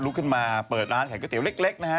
ลุกขึ้นมาเปิดร้านแข่งก๋วยเตี๋ยวเล็กนะฮะ